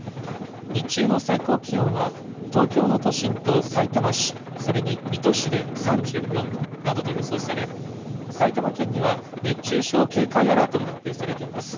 日中の最高気温は東京の都心とさいたま市、それに水戸市で３４度などと予想され、埼玉県には熱中症警戒アラートが発表されています。